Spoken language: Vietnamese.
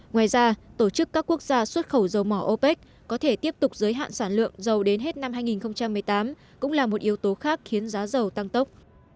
ngoài ra tổ chức các quốc gia xuất khẩu dầu mỏ opec có thể tiếp tục giới hạn sản lượng dầu đến hết năm hai nghìn một mươi tám cũng là một yếu tố khác khiến giá dầu tăng tốc